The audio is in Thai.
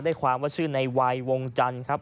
ความว่าชื่อในวัยวงจันทร์ครับ